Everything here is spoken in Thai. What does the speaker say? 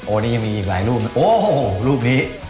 โอ้นี่ยังมีอีกหลายรูปโอ้โหโหโหรูปนี้